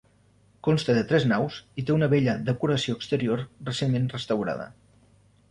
Consta de tres naus i té una bella decoració exterior, recentment restaurada.